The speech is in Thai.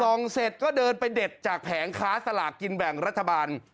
เสร็จก็เดินไปเด็ดจากแผงค้าสลากกินแบ่งรัฐบาล